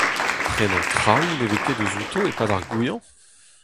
Prenañ traoù ne vez ket deus outo e-pad ar goañv ?